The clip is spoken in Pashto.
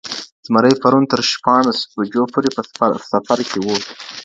زمری پرون تر شپاڼس بجو پوري په سفر کي وو.